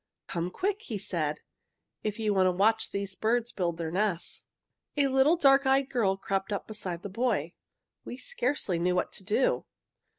"'Come quick,' he said, 'if you want to watch these birds build their nest.' "A little dark eyed girl crept up beside the boy. We scarcely knew what to do.